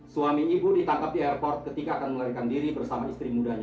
suami ibu ditangkap di airport ketika akan melarikan diri bersama istri mudanya